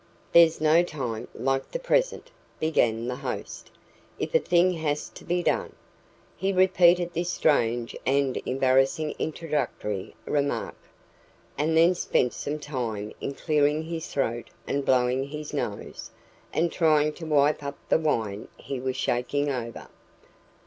"There's no time like the present," began the host, "if a thing has to be done." He repeated this strange and embarrassing introductory remark, and then spent some time in clearing his throat and blowing his nose, and trying to wipe up the wine he was shaking over.